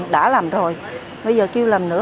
đã làm rồi bây giờ kêu làm nữa